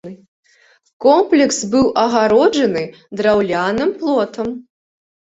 Комплекс быў агароджаны драўляным плотам.